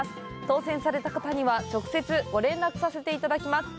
当せんされた方には、直接ご連絡させていただきます。